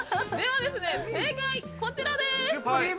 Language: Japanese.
正解は、こちらです。